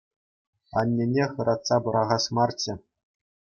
Аннене хӑратса пӑрахас марччӗ.